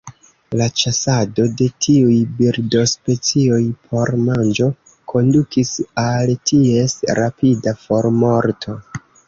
La ĉasado de tiuj birdospecioj por manĝo kondukis al ties rapida formorto.